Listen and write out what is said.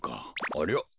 ありゃ。